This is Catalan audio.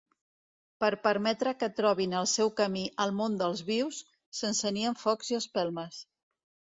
Per permetre que trobin el seu camí al món dels vius, s'encenien focs i espelmes.